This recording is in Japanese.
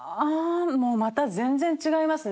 もうまた全然違いますね